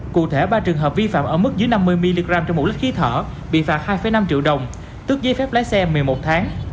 cụ thể ba trường hợp vi phạm ở mức dưới năm mươi mg trên một lít khí thở bị phạt hai năm triệu đồng tức giấy phép lái xe một mươi một tháng